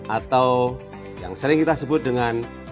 atau yang sering kita sebut dengan